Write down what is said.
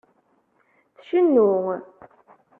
Tcennu?